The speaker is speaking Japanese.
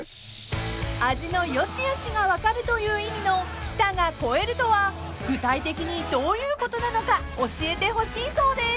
［味の良しあしが分かるという意味の「舌が肥える」とは具体的にどういうことなのか教えてほしいそうです］